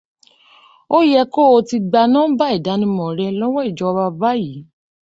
Ó yẹ kóo ti gba nọ́mbà ìdánimọ̀ rẹ lọ́wọ́ ìjọba báyìí